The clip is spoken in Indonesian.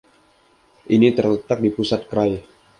Ini terletak di pusat krai.